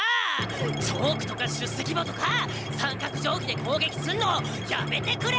チョークとか出席簿とか三角じょうぎでこうげきすんのやめてくれ！